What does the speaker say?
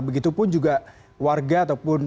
begitu pun juga warga ataupun